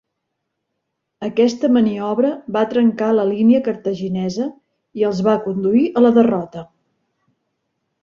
Aquesta maniobra va trencar la línia cartaginesa i els va conduir a la derrota.